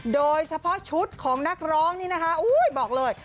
โดยเฉพาะชุดของนักร้องนี่นะคะบอกเลย